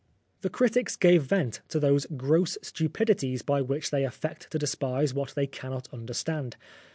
The critics gave vent to those gross stupidities by which they affect to despise what they cannot understand.